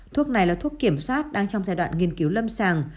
thuốc này là thuốc kiểm soát đang trong giai đoạn nghiên cứu lâm sàng